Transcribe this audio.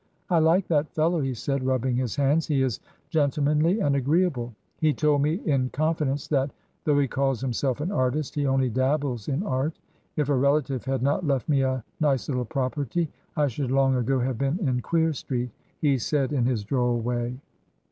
"I like that fellow," he said, rubbing his hands; "he is gentlemanly and agreeable; he told me in confidence that, though he calls himself an artist, he only dabbles in art. 'If a relative had not left me a nice little property, I should long ago have been in Queer Street,' he said, in his droll way."